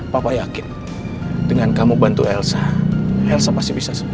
papa yakin dengan kamu bantu elsa pasti bisa sembuh